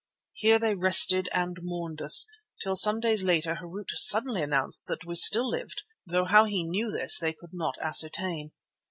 Here they rested and mourned for us, till some days later Harût suddenly announced that we still lived, though how he knew this they could not ascertain.